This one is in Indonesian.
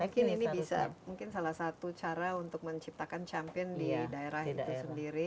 mungkin ini bisa mungkin salah satu cara untuk menciptakan champion di daerah itu sendiri